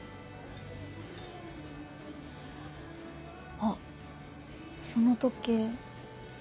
あその時計。